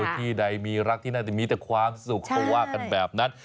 ที่ใดมีรักที่น่าจะมีแต่ความสุขเขาว่ากันแบบนั้น